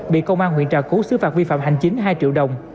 bị công an huyện trà cú xứ phạt vi phạm hành chính hai triệu đồng